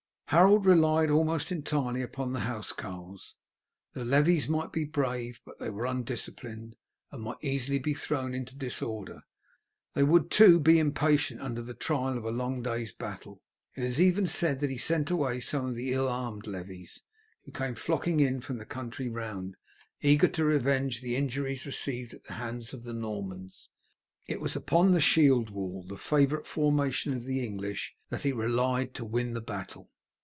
Harold relied almost entirely upon the housecarls. The levies might be brave, but they were undisciplined, and might easily be thrown into disorder; they would, too, be impatient under the trial of a long day's battle. It is even said that he sent away some of the ill armed levies, who came flocking in from the country round, eager to revenge the injuries received at the hands of the Normans. It was upon the shield wall, the favourite formation of the English, that he relied to win the battle.